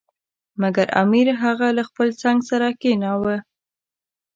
مګر امیر هغه له خپل څنګ سره کښېناوه.